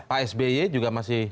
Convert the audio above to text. pak sby juga masih